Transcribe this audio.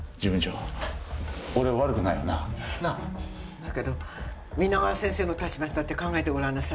だけど皆川先生の立場に立って考えてごらんなさいよ。